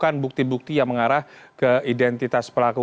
bukan bukti bukti yang mengarah ke identitas pelaku